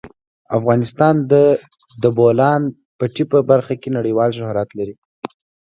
افغانستان د د بولان پټي په برخه کې نړیوال شهرت لري.